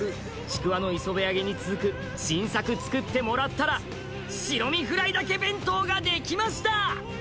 ちくわの磯辺揚げに続く新作つくってもらったら白身フライだけ弁当ができました！